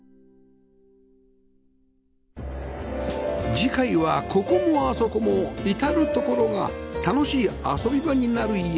次回はここもあそこも至るところが楽しい遊び場になる家